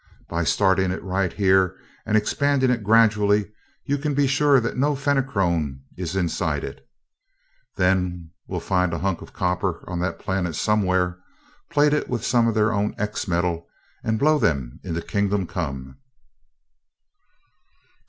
By starting it right here and expanding it gradually, you can be sure that no Fenachrone is inside it. Then we'll find a hunk of copper on that planet somewhere, plate it with some of their own 'X' metal, and blow them into Kingdom Come."